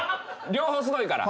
両方すごいから。